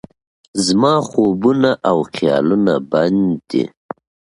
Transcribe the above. زما خوبونه او خیالونه بند دي